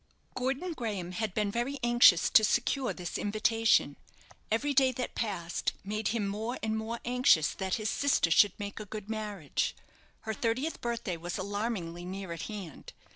Gordon Graham had been very anxious to secure this invitation. Every day that passed made him more and more anxious that his sister should make a good marriage. Her thirtieth birthday was alarmingly near at hand.